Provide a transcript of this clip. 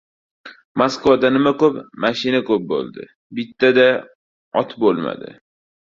Moskvada nima ko‘p, mashina ko‘p bo‘ldi. Bitta-da ot bo‘lmadi!